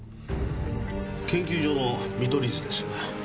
研究所の見取り図です。